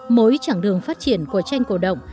mỗi chặng đường phát triển của tranh cổ động